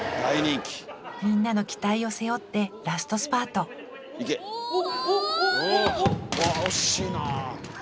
みんなの期待を背負ってラストスパートうわ惜しいなあ。